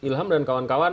pak ilham dan kawan kawan